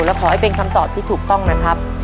และขอให้เป็นคำตอบที่ถูกต้องนะครับ